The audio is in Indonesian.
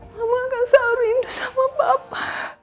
mama akan selalu rindu sama papa